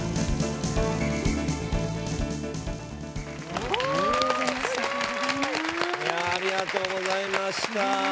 おおすごい！ありがとうございました。